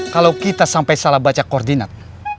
kalau kita sampai salah baca koordinat